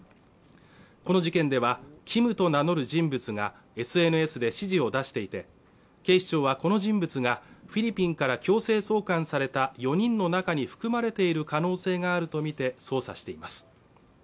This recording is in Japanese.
この事件ではＫｉｍと名乗る人物がＳＮＳで指示を出していて警視庁はこの人物がフィリピンから強制送還された４人の中に含まれている可能性があるとみて捜査しています